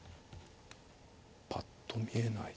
ぱっと見えない。